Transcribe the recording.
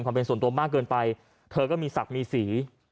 ความเป็นส่วนตัวมากเกินไปเธอก็มีศักดิ์มีศรี